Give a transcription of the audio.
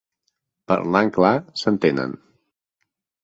Parlant clar, s'entenen.